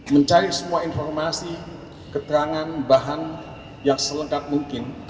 mencari semua informasi keterangan bahan yang selengkap mungkin